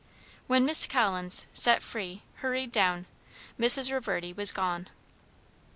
When Miss Collins, set free, hurried down, Mrs. Reverdy was gone.